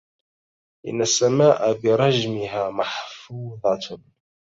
إن السماء برجمها محفوظة